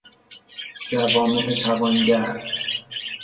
جوامع توانگر